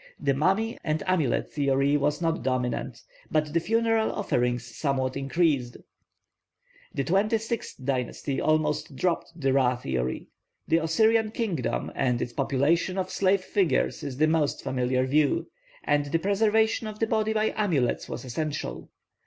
The mummy and amulet theory was not dominant; but the funeral offerings somewhat increased. The twenty sixth dynasty almost dropped the Ra theory; the Osirian kingdom and its population of slave figures is the most familiar view, and the preservation of the body by amulets was essential.